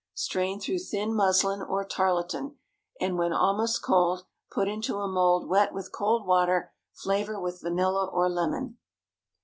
Strain through thin muslin or tarlatan, and when almost cold, put into a mould wet with cold water. Flavor with vanilla or lemon.